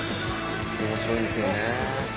面白いんですよね。